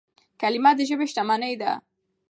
کلیمه د ژبي شتمني ده.